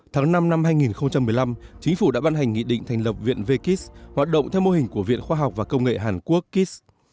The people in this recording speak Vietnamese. tháng năm năm hai nghìn một mươi năm chính phủ đã ban hành nghị định thành lập viện vkis hoạt động theo mô hình của viện khoa học và công nghệ hàn quốc kis